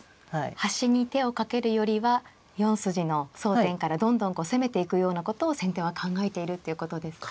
端に手をかけるよりは４筋の争点からどんどんこう攻めていくようなことを先手は考えているということですか。